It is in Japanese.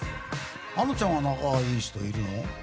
あのちゃんは仲いい人いるの？